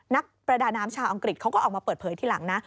นักประดาน้ำชาวอังกฤษเขาก็ออกมาเปิดเผยทีหลังนะ